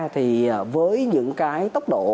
thì với những cái tốc độ